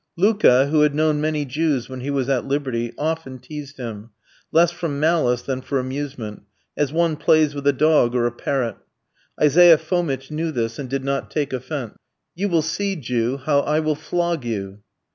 Luka, who had known many Jews when he was at liberty, often teased him, less from malice than for amusement, as one plays with a dog or a parrot. Isaiah Fomitch knew this and did not take offence. "You will see, Jew, how I will flog you."